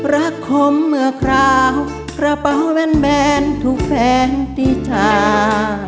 รักคมเมื่อคราวกระเป๋าแวนแบนทุกแฟนที่ชา